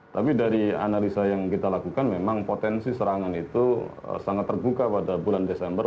tapi dari analisa yang kita lakukan memang potensi serangan itu sangat terbuka pada bulan desember